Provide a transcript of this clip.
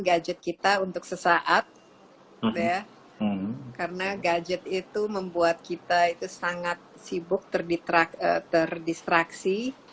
gadget kita untuk sesaat ya karena gadget itu membuat kita itu sangat sibuk terdistraksi